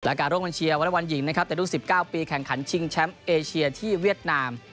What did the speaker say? แล้วกาลงเชียววันหญิงนะครับ๑๙ปีแข่งขันิงแชมป์เอเชียที่เวียตนาม